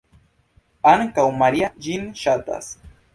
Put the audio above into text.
Ankaŭ Maria ĝin ŝatas.